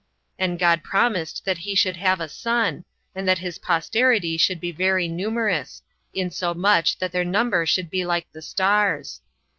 And God promised that he should have a son, and that his posterity should be very numerous; insomuch that their number should be like the stars.